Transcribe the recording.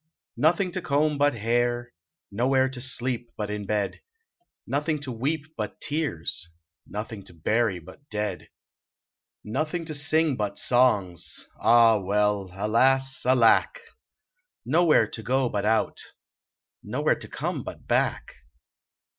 Nothing to comb but hair, Nowhere to sleep but in bed, Nothing to weep but tears, Nothing to bury but dead. Nothing losing but songs, Ah, well, alas ! alack ! Nowhere to go but out, Nowhere to come but back.